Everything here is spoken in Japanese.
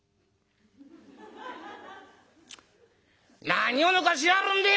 「何をぬかしやがるんでえ